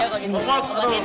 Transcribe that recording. ya sok sok sok sok ke dalam lah